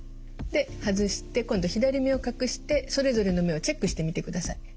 で外して今度は左目を隠してそれぞれの目をチェックしてみてください。